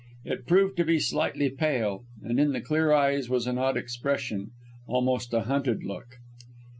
It proved to be slightly pale, and in the clear eyes was an odd expression almost a hunted look.